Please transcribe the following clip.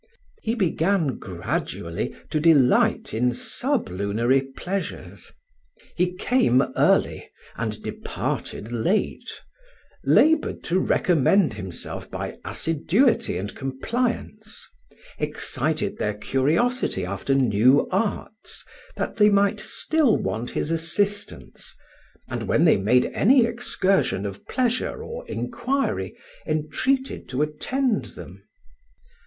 He began gradually to delight in sublunary pleasures. He came early and departed late; laboured to recommend himself by assiduity and compliance; excited their curiosity after new arts, that they might still want his assistance; and when they made any excursion of pleasure or inquiry, entreated to attend them.